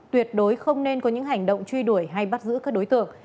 tuyệt đối không nên có những hành động truy đuổi hay bắt giữ các đối tượng